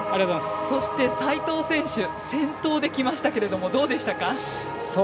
そして、齋藤選手先頭できましたけどどうでしたか。